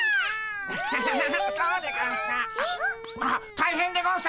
大変でゴンス！